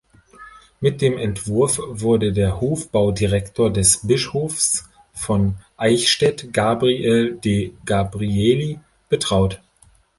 Mit dem Entwurf wurde der Hofbaudirektor des Bischofs von Eichstätt, Gabriel de Gabrieli, betraut.